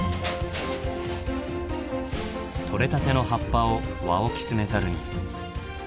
とれたての葉っぱをワオキツネザルに。